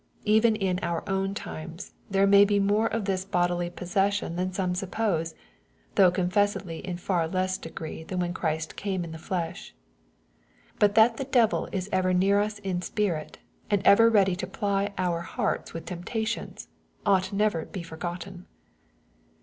Even in our own times there may be more of this bodily possession than some suppose, though confessedly in far less degree than when Christ came in the flesh. But that the devil is ever near us in spirit, and ever ready to ply our hearts with temptations, ought never to he forgotten.